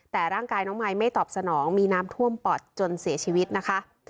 แต่ร่างกายน้องมายไม่ตอบสนองมีน้ำท่วมปอดจนเสียชีวิตนะคะ